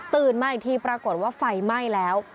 มาอีกทีปรากฏว่าไฟไหม้แล้ว